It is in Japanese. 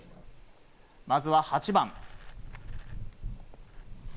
まずは８番。